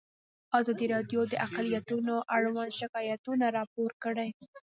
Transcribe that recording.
ازادي راډیو د اقلیتونه اړوند شکایتونه راپور کړي.